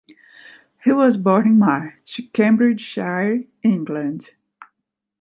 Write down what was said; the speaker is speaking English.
He was born in March, Cambridgeshire, England.